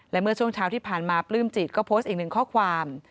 และเมื่อช่วงเช้าที่ผ่านมาปลื้มจิตก็โพสต์อีกหนึ่งข้อความ